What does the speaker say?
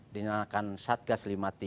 dinyatakan satgas lima puluh tiga